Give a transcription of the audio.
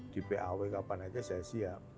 di paw kapan saja saya siap